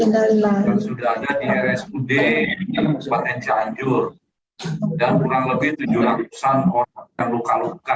dan sudah ada di rsud di bnpb cianjur dan kurang lebih tujuh ratus an orang yang luka luka